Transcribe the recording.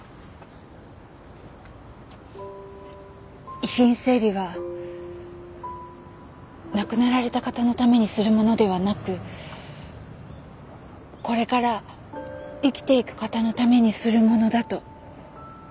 遺品整理は亡くなられた方のためにするものではなくこれから生きていく方のためにするものだと思っています。